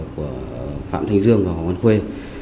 của phạm thành dương và hoàng văn khê